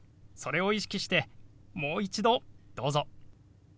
それを意識してもう一度どうぞ。